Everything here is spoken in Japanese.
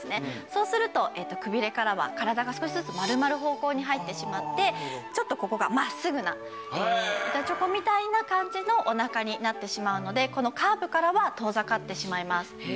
そうするとくびれからは体が少しずつ丸まる方向に入ってしまってちょっとここが真っすぐな板チョコみたいな感じのお腹になってしまうのでこのカーブからは遠ざかってしまいます。